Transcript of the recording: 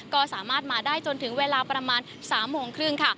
ก็สามารถมาได้จนถึงเวลาประมาณ๓โมงครึ่งค่ะ